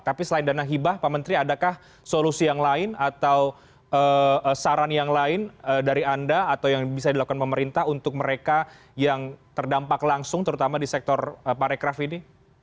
tapi selain dana hibah pak menteri adakah solusi yang lain atau saran yang lain dari anda atau yang bisa dilakukan pemerintah untuk mereka yang terdampak langsung terutama di sektor parekraf ini